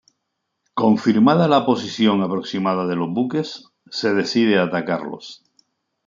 Confirmada la posición aproximada de los buques, se decide atacarlos.